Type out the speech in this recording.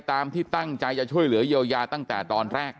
ตามที่ตั้งใจจะช่วยเหลือเยียวยาตั้งแต่ตอนแรก